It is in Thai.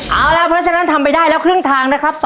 เอาล่ะเพราะฉะนั้นทำไปได้แล้วครึ่งทางนะครับ